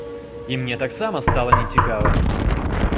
І мне таксама стала нецікава.